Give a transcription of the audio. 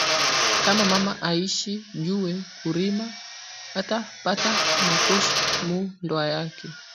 Kama mama ashi juwe ku rima ata pata mikoshi mu ndoa yake